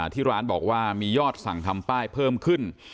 ที่ร้านบอกว่ามียอดสั่งทำป้ายเพิ่มขึ้น